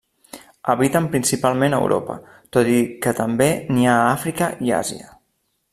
Habiten principalment Europa, tot i que també n'hi ha a Àfrica i Àsia.